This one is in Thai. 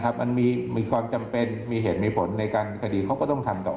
มันมีความจำเป็นมีเหตุมีผลในการคดีเขาก็ต้องทำต่อ